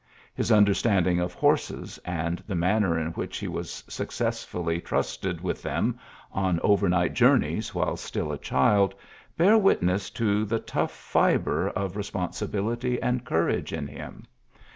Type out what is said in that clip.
His u standing of horses, and the manr which he was successfully trusted them on overnight journeys while ; ehUd, bear witness to the tough fi] responsibility and courage in him.